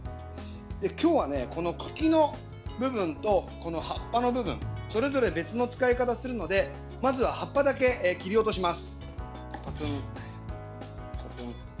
今日は、茎の部分と葉っぱの部分それぞれ別の使い方をするのでまずは葉っぱだけ切り落とします。